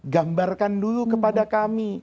gambarkan dulu kepada kami